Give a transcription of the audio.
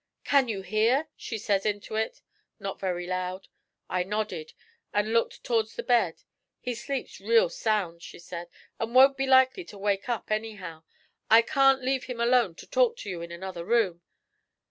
"Can you hear?" she says into it, not very loud. I nodded, an' looked to'rds the bed. "He sleeps real sound," she says, "and won't be likely to wake up, anyhow; I can't leave him alone to talk to you in another room.